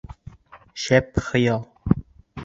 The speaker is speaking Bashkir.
Шәп хыял.